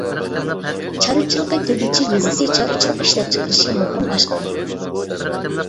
چارۋىچىلىقى تۆگىچى يېزىسى چارۋىچىلىق ئىشلەپچىقىرىشى مۇقىم ئاشقان.